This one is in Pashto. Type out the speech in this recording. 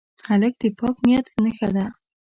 هلک د پاک نیت نښه ده.